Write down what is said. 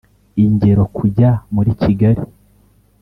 ingero kujya muri kigali